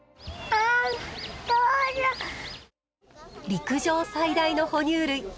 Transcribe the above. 陸上最大の哺乳類。